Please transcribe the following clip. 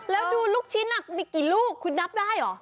แล้วดูลูกชิ้นมีกี่ลูกคุณนับได้เหรอ